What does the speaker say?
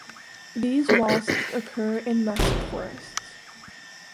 These wasps occur in musk forests.